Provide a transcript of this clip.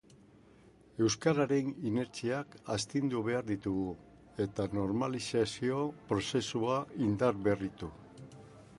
Euskararen inertziak astindu behar ditugu, eta normalizazio prozesua indarberritu.